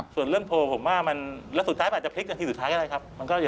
ส่วนเรื่องโพลผมว่าแล้วสุดท้ายมันอาจจะพลิกนาทีสุดท้ายก็ได้ครับ